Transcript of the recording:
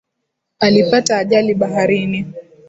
Alipata ajali baharini.